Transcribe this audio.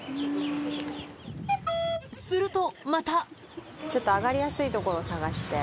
するとまたちょっと上がりやすい所探して。